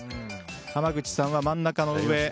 濱口さんは真ん中の上。